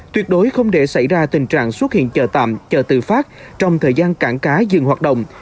tuyệt đối không để xảy ra tình trạng xuất hiện chợ tạm chợ tự phát trong thời gian cảng cá dừng hoạt động